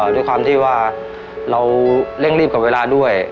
ด้วยความที่ว่าเราเร่งรีบกับเวลาด้วย